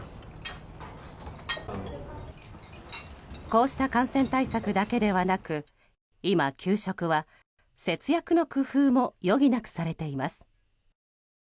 こうした感染対策だけではなく今、給食は節約の工夫も余儀なくされています。